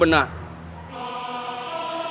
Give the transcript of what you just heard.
sampai jumpa lagi